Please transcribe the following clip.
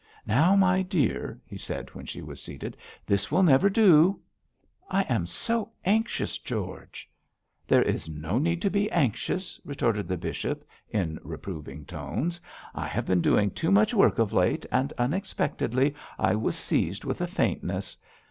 'Now, my dear,' he said, when she was seated, 'this will never do.' 'I am so anxious, George!' 'There is no need to be anxious,' retorted the bishop, in reproving tones. 'I have been doing too much work of late, and unexpectedly I was seized with a faintness.